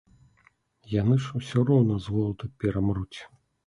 Яны ж усё роўна з голаду перамруць.